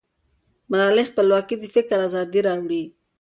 مالي خپلواکي د فکر ازادي راوړي.